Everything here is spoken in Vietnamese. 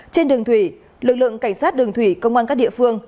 trên đường thủy lực lượng cảnh sát đường thủy công an các địa phương